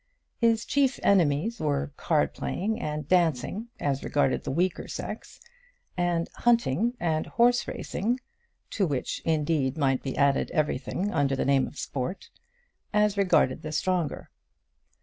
His chief enemies were card playing and dancing as regarded the weaker sex, and hunting and horse racing to which, indeed, might be added everything under the name of sport as regarded the stronger.